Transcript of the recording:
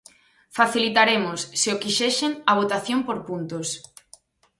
Facilitaremos, se o quixesen, a votación por puntos.